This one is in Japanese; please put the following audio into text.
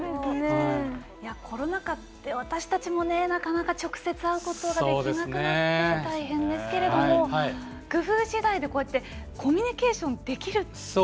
コロナ禍って私たちもなかなか直接会うことができなくなって大変ですけども工夫次第ではコミュニケーションができると。